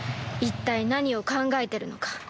一体何を考えてるのか